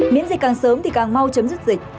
miễn dịch càng sớm thì càng mau chấm dứt dịch